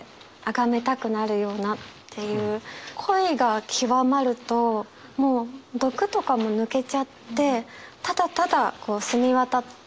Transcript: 恋が極まるともう毒とかも抜けちゃってただただ澄み渡った心。